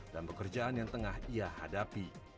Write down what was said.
dan pekerjaan yang tengah ia hadapi